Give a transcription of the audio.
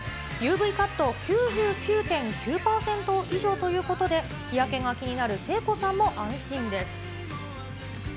ＵＶカット９９．９％以上ということで、日焼けが気になる誠子さんも安心です。